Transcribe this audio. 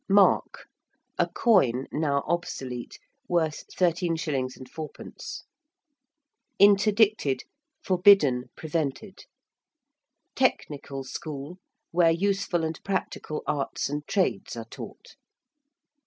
~Mark~: a coin, now obsolete, worth 13_s._ 4_d._ ~interdicted~: forbidden, prevented. ~technical school~: where useful and practical arts and trades are taught.